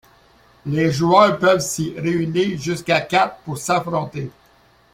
Les joueurs peuvent s'y réunir jusqu'à quatre pour s'affronter.